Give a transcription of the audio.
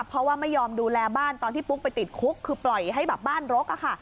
เพราะว่าไม่ยอมดูแลบ้านตอนที่ปุ๊กไปติดคุกคือปล่อยให้แบบบ้านรกอะค่ะ